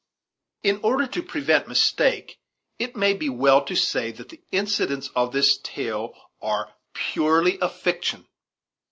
In order to prevent mistake, it may be well to say that the incidents of this tale are purely a fiction.